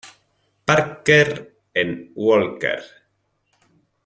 Parker en Walker.